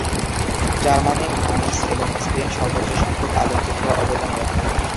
Germany, France এবং Spain সর্বোচ্চ সংখ্যক আলোকচিত্র অবদান রাখে।